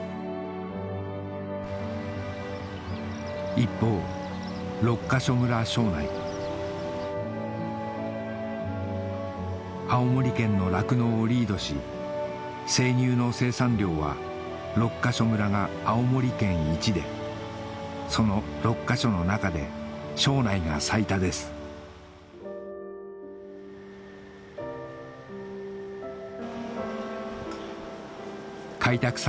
一方青森県の酪農をリードし生乳の生産量は六ヶ所村が青森県一でその六ヶ所の中で庄内が最多です開拓三